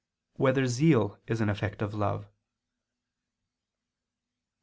4] Whether Zeal Is an Effect of Love?